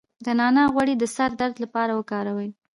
د نعناع غوړي د سر درد لپاره وکاروئ